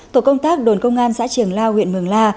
tổ công tác đồn công an xã trường lao huyện mường la